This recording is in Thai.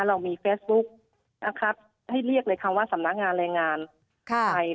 เรามีเฟซบุ๊กนะครับให้เรียกเลยคำว่าสำนักงานแรงงานไทย